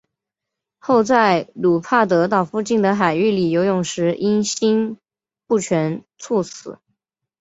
后在卢帕德岛附近的海域里游泳时因心不全猝死。